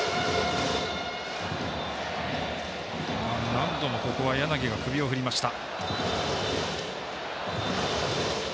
何度もここは柳が首を振りました。